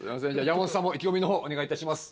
山本さんも意気込みの方お願いいたします